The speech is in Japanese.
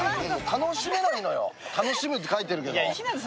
楽しめないのよ、楽しむって書いてるけど。